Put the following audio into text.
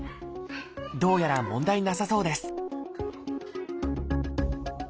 どうやら問題なさそうです